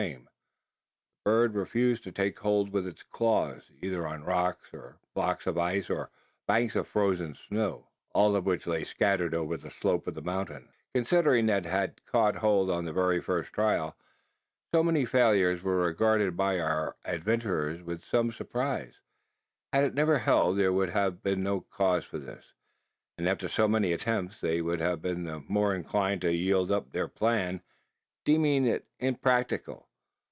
The bird refused to take hold with its claws either on rocks, or blocks of ice, or banks of frozen snow all of which lay scatter over the slope of the mountain. Considering that it had caught hold on the very first trial, so many failures were regarded by our adventurers with some surprise. Had it never held, there would have been no cause for this; and after so many attempts, they would have been the more inclined to yield up their plan, deeming it impracticable.